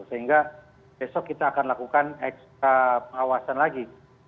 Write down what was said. sehingga besok kita akan lakukan ekstra pengawasan lagi